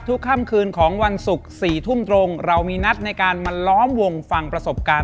ค่ำคืนของวันศุกร์๔ทุ่มตรงเรามีนัดในการมาล้อมวงฟังประสบการณ์